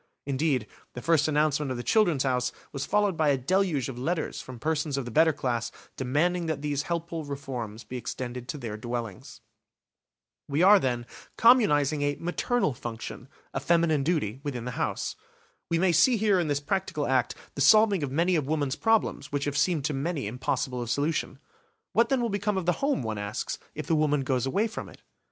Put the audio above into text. Indeed, the first announcement of the "Children's House" was followed by a deluge of letters from persons of the better class demanding that these helpful reforms be extended to their dwellings. We are, then, communising a "maternal function", a feminine duty, within the house. We may see here in this practical act the solving of many of woman's problems which have seemed to many impossible of solution. What then will become of the home, one asks, if the woman goes away from it?